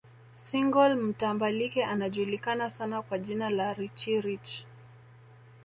Single mtambalike anajulikana sana kwa jina la Richie Rich